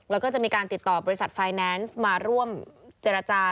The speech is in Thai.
แล้วก็จะมีการติดต่อบริษัทไฟแนนซ์มาร่วมเจรจา